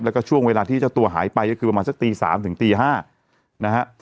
แล้วก็ช่วงเวลาที่เจ้าตัวหายไปก็คือประมาณสักตี๓ถึงตี๕นะฮะ